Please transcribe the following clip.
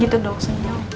gitu dong senyum